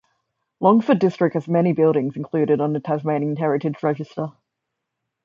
Longford district has many buildings included on the Tasmanian Heritage Register.